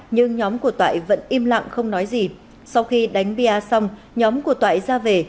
nhưng nhóm của toại vẫn im lặng không nói gì sau khi đánh bia xong nhóm của toại ra về